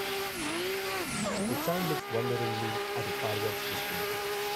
A child looks wonderingly at a fireworks display.